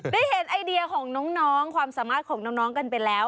ได้เห็นไอเดียของน้องความสามารถของน้องกันไปแล้ว